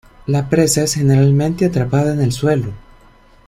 La presa es generalmente atrapada en el suelo.